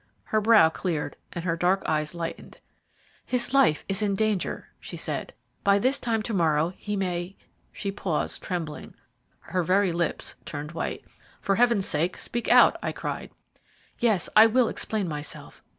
Her brow cleared, and her dark eyes lightened. "His life is in danger," she said. "By this time to morrow he may " She paused, trembling, her very lips turned white. "For Heaven's sake, speak out," I cried. "Yes, I will explain myself.